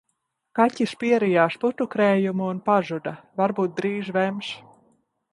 Kaķis pierijās putukrējumu un pazuda, varbūt drīz vems.